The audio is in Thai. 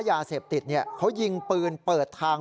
ยาเสพติดเขายิงปืนเปิดทาง